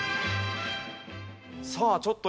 さあちょっと